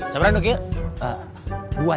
sebenernya dok ya